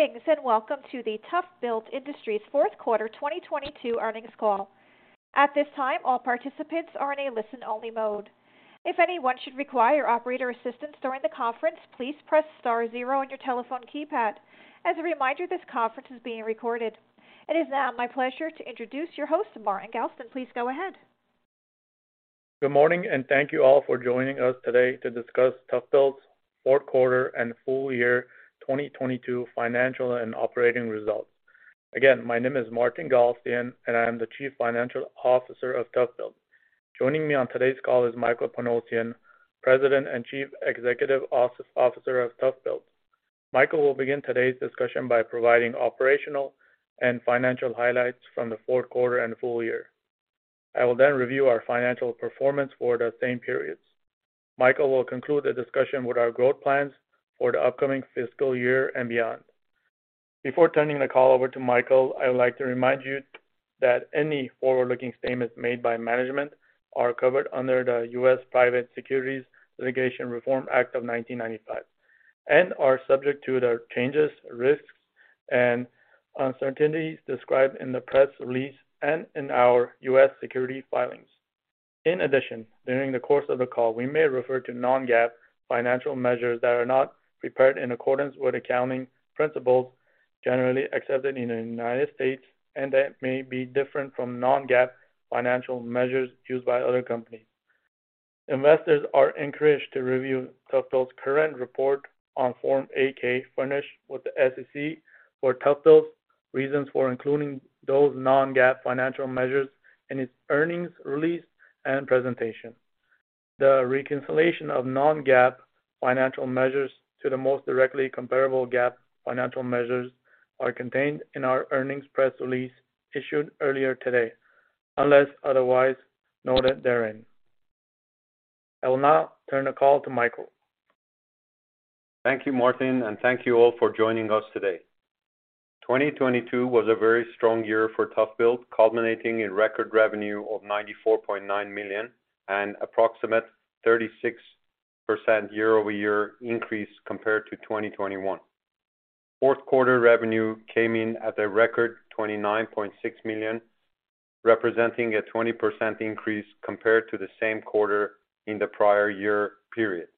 Greetings, and welcome to the ToughBuilt Industries fourth quarter 2022 earnings call. At this time, all participants are in a listen-only mode. If anyone should require operator assistance during the conference, please press star zero on your telephone keypad. As a reminder, this conference is being recorded. It is now my pleasure to introduce your host, Martin Galstyan. Please go ahead. Good morning, and thank you all for joining us today to discuss ToughBuilt's fourth quarter and full year 2022 financial and operating results. Again, my name is Martin Galstyan, and I am the Chief Financial Officer of ToughBuilt. Joining me on today's call is Michael Panosian, President and Chief Executive Officer of ToughBuilt. Michael will begin today's discussion by providing operational and financial highlights from the fourth quarter and full year. I will then review our financial performance for the same periods. Michael will conclude the discussion with our growth plans for the upcoming fiscal year and beyond. Before turning the call over to Michael, I would like to remind you that any forward-looking statements made by management are covered under the U.S. Private Securities Litigation Reform Act of 1995 and are subject to the changes, risks, and uncertainties described in the press release and in our U.S. Security Filings. During the course of the call, we may refer to non-GAAP financial measures that are not prepared in accordance with accounting principles generally accepted in the United States and that may be different from non-GAAP financial measures used by other companies. Investors are encouraged to review ToughBuilt's current report on Form 8-K furnished with the SEC for ToughBuilt's reasons for including those non-GAAP financial measures in its earnings release and presentation. The reconciliation of non-GAAP financial measures to the most directly comparable GAAP financial measures are contained in our earnings press release issued earlier today, unless otherwise noted therein. I will now turn the call to Michael. Thank you, Martin, and thank you all for joining us today. 2022 was a very strong year for ToughBuilt, culminating in record revenue of $94.9 million and approximate 36% year-over-year increase compared to 2021. Fourth quarter revenue came in at a record $29.6 million, representing a 20% increase compared to the same quarter in the prior year period.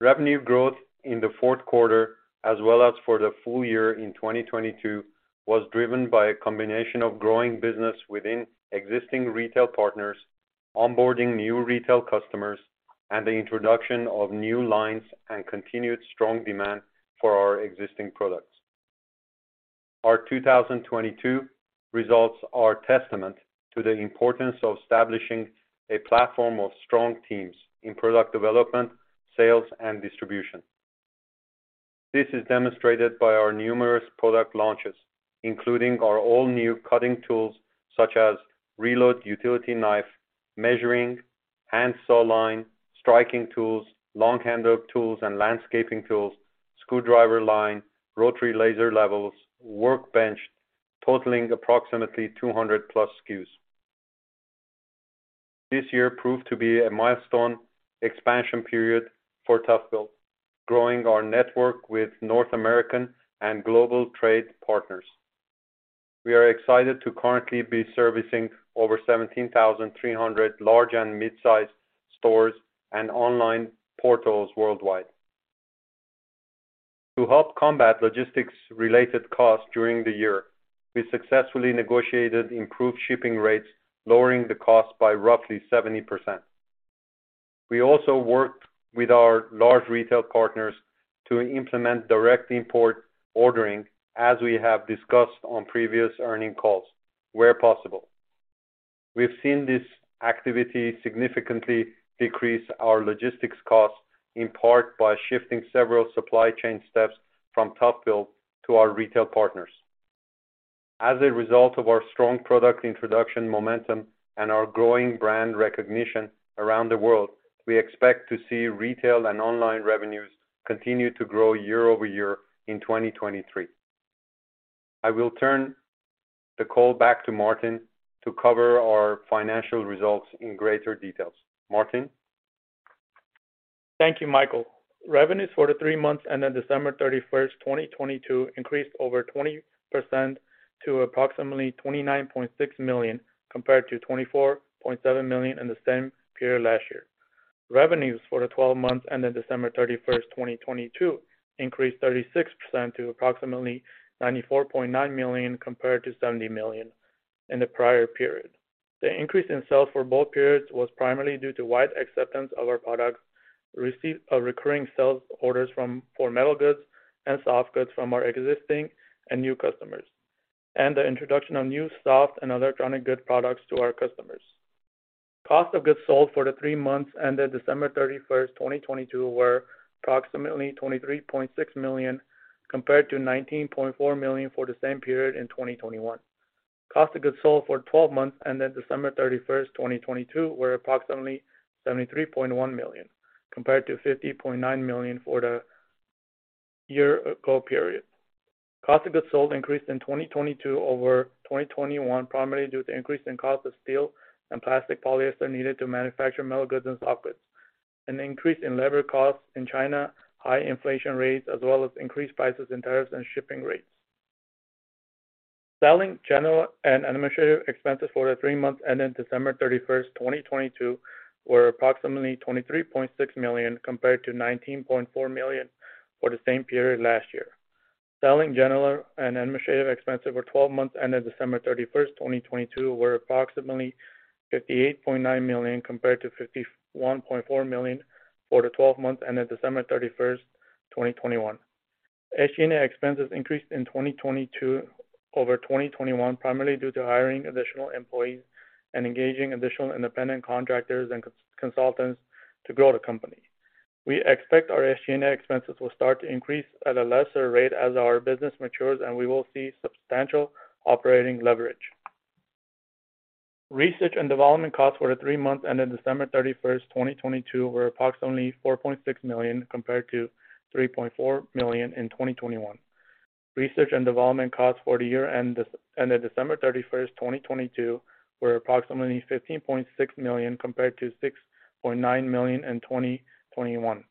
Revenue growth in the fourth quarter, as well as for the full year in 2022, was driven by a combination of growing business within existing retail partners, onboarding new retail customers, and the introduction of new lines and continued strong demand for our existing products. Our 2022 results are testament to the importance of establishing a platform of strong teams in product development, sales, and distribution. This is demonstrated by our numerous product launches, including our all-new cutting tools such as Reload Utility Knife, measuring, hand saw line, striking tools, long handle tools and landscaping tools, screwdriver line, rotary laser levels, workbench, totaling approximately 200+ SKUs. This year proved to be a milestone expansion period for ToughBuilt, growing our network with North American and global trade partners. We are excited to currently be servicing over 17,300 large and mid-sized stores and online portals worldwide. To help combat logistics related costs during the year, we successfully negotiated improved shipping rates, lowering the cost by roughly 70%. We also worked with our large retail partners to implement direct import ordering as we have discussed on previous earning calls where possible. We've seen this activity significantly decrease our logistics costs, in part by shifting several supply chain steps from ToughBuilt to our retail partners. As a result of our strong product introduction momentum and our growing brand recognition around the world, we expect to see retail and online revenues continue to grow year-over-year in 2023. I will turn the call back to Martin to cover our financial results in greater details. Martin. Thank you, Michael. Revenues for the three months ended December 31st, 2022 increased over 20% to approximately $29.6 million, compared to $24.7 million in the same period last year. Revenues for the 12 months ended December 31st, 2022 increased 36% to approximately $94.9 million compared to $70 million in the prior period. The increase in sales for both periods was primarily due to wide acceptance of our products, recurring sales orders for metal goods and soft goods from our existing and new customers, and the introduction of new soft and electronic good products to our customers. Cost of goods sold for the three months ended December 31st, 2022 were approximately $23.6 million, compared to $19.4 million for the same period in 2021. Cost of goods sold for 12 months ended December 31st, 2022 were approximately $73.1 million, compared to $50.9 million for the year-ago period. Cost of goods sold increased in 2022 over 2021, primarily due to increase in cost of steel and plastic polyester needed to manufacture metal goods and soft goods, an increase in labor costs in China, high inflation rates, as well as increased prices in tariffs and shipping rates. Selling, general, and administrative expenses for the three months ended December 31st, 2022 were approximately $23.6 million, compared to $19.4 million for the same period last year. Selling, general, and administrative expenses for 12 months ended December 31st, 2022 were approximately $58.9 million, compared to $51.4 million for the 12 months ended December 31st, 2021. SG&A expenses increased in 2022 over 2021, primarily due to hiring additional employees and engaging additional independent contractors and consultants to grow the company. We expect our SG&A expenses will start to increase at a lesser rate as our business matures, we will see substantial operating leverage. Research and development costs for the three months ended December 31st, 2022 were approximately $4.6 million, compared to $3.4 million in 2021. Research and development costs for the year ended December 31st, 2022 were approximately $15.6 million, compared to $6.9 million in 2021.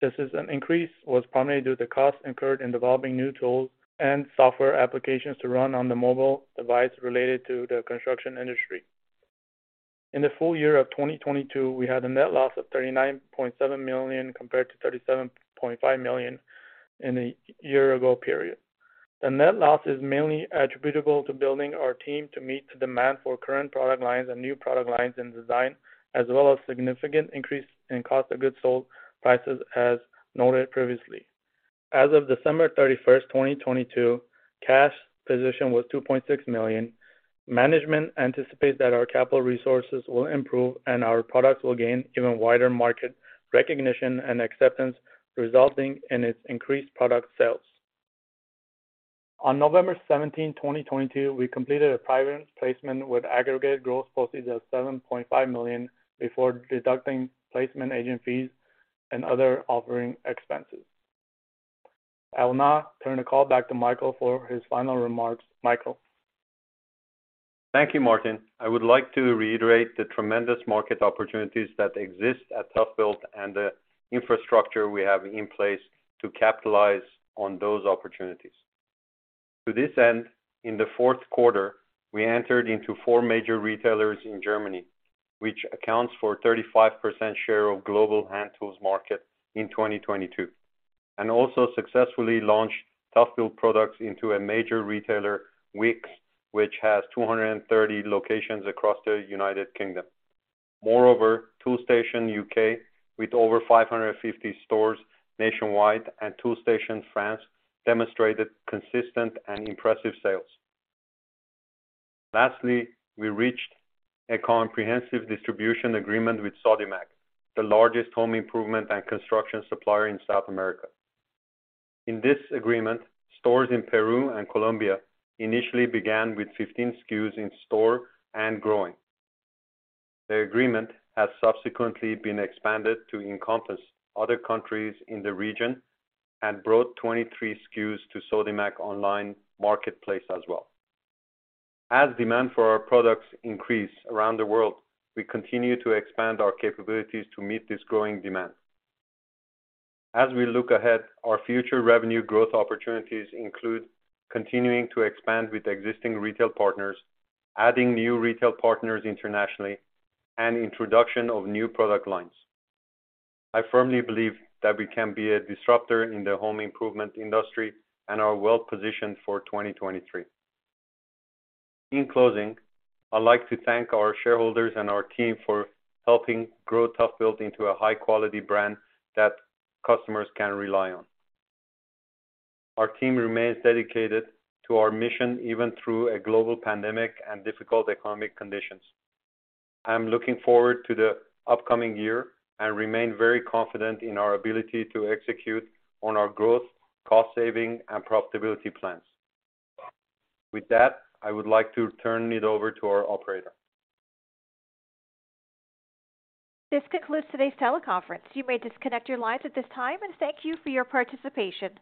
This increase was primarily due to costs incurred in developing new tools and software applications to run on the mobile device related to the construction industry. In the full year of 2022, we had a net loss of $39.7 million compared to $37.5 million in the year-ago period. The net loss is mainly attributable to building our team to meet the demand for current product lines and new product lines in design, as well as significant increase in cost of goods sold prices as noted previously. As of December 31st, 2022, cash position was $2.6 million. Management anticipates that our capital resources will improve and our products will gain even wider market recognition and acceptance, resulting in its increased product sales. On November 17, 2022, we completed a private placement with aggregate gross proceeds of $7.5 million, before deducting placement agent fees and other offering expenses. I will now turn the call back to Michael for his final remarks. Michael. Thank you, Martin. I would like to reiterate the tremendous market opportunities that exist at ToughBuilt and the infrastructure we have in place to capitalize on those opportunities. To this end, in the fourth quarter, we entered into four major retailers in Germany, which accounts for 35% share of global hand tools market in 2022, and also successfully launched ToughBuilt products into a major retailer, Wickes, which has 230 locations across the United Kingdom. Moreover, Toolstation U.K., with over 550 stores nationwide, and Toolstation France demonstrated consistent and impressive sales. Lastly, we reached a comprehensive distribution agreement with Sodimac, the largest home improvement and construction supplier in South America. In this agreement, stores in Peru and Colombia initially began with 15 SKUs in store and growing. The agreement has subsequently been expanded to encompass other countries in the region and brought 23 SKUs to Sodimac online marketplace as well. As demand for our products increase around the world, we continue to expand our capabilities to meet this growing demand. As we look ahead, our future revenue growth opportunities include continuing to expand with existing retail partners, adding new retail partners internationally, and introduction of new product lines. I firmly believe that we can be a disruptor in the home improvement industry and are well positioned for 2023. In closing, I'd like to thank our shareholders and our team for helping grow ToughBuilt into a high quality brand that customers can rely on. Our team remains dedicated to our mission, even through a global pandemic and difficult economic conditions. I am looking forward to the upcoming year and remain very confident in our ability to execute on our growth, cost saving, and profitability plans. With that, I would like to turn it over to our operator. This concludes today's teleconference. You may disconnect your lines at this time, and thank you for your participation.